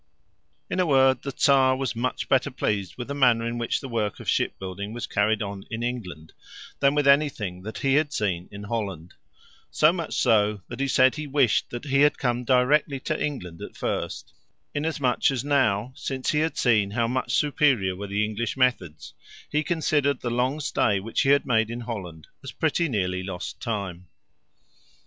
In a word, the Czar was much better pleased with the manner in which the work of ship building was carried on in England than with any thing that he had seen in Holland; so much so that he said he wished that he had come directly to England at first, inasmuch as now, since he had seen how much superior were the English methods, he considered the long stay which he had made in Holland as pretty nearly lost time.